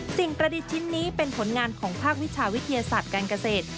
สิ่งประดิษฐ์ชิ้นนี้เป็นผลงานของภาควิชาวิทยาศาสตร์การเกษตร